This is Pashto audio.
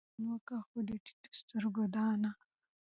ژوند وکه؛ خو د ټيټو سترګو دا نه.